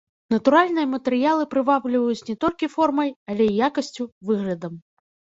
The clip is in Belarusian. Натуральныя матэрыялы прывабліваюць не толькі формай, але і якасцю, выглядам.